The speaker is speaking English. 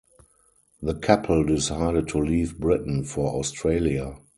The couple decided to leave Britain for Australia.